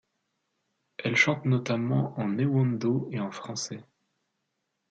Elle chante notamment en ewondo et en français.